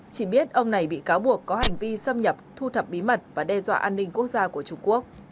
chỉ biết ông này bị cáo buộc có hành vi xâm nhập thu thập bí mật và đe dọa an ninh quốc gia của trung quốc